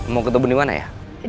mau ketemu dimana ya